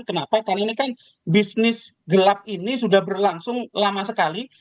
kenapa karena ini kan bisnis gelap ini sudah berlangsung lama sekali